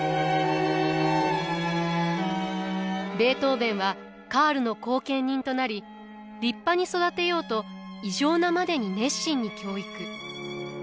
ベートーヴェンはカールの後見人となり立派に育てようと異常なまでに熱心に教育。